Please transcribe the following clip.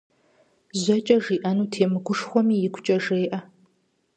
ЖьэкӀэ жиӀэну темыгушхуэми, игукӀэ жеӀэ.